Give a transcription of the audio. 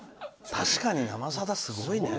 確かに「生さだ」すごいね。